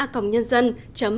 đóng góp xin gửi về hòm thư